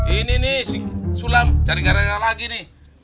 ini nih sulam cari gara gara lagi nih